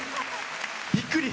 びっくり？